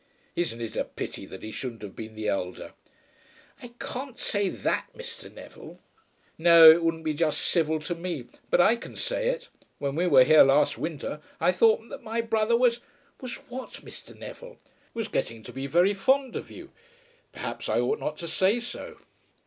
"Isn't it a pity that he shouldn't have been the elder?" "I can't say that, Mr. Neville." "No. It wouldn't be just civil to me. But I can say it. When we were here last winter I thought that my brother was " "Was what, Mr Neville?" "Was getting to be very fond of you. Perhaps I ought not to say so."